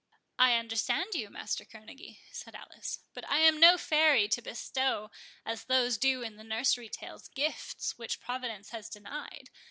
"I understand you, Master Kerneguy," said Alice; "but I am no fairy, to bestow, as those do in the nursery tales, gifts which Providence has denied.